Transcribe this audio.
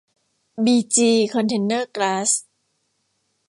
บีจี คอนเทนเนอร์ กล๊าส